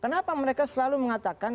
kenapa mereka selalu mengatakan